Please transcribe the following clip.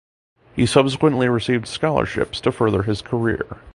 He subsequently received scholarships to further his career.